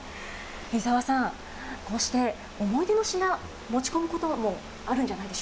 井澤さん、こうして思い出の品、持ち込むこともあるんじゃないで